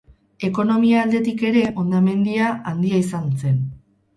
Ekonomia aldetik ere hondamendia handia izan zen.